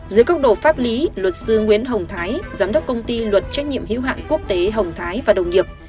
dưới cấp độ pháp lý luật sư nguyễn hồng thái giám đốc công ty luật trách nhiệm hiếu hạn quốc tế hồng thái và đồng nghiệp